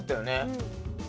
うん。